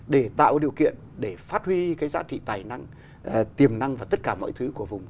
để tạo điều kiện để phát huy cái giá trị tài năng tiềm năng và tất cả mọi thứ của vùng